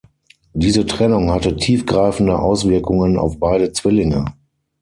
Diese Trennung hatte tiefgreifende Auswirkungen auf beide Zwillinge.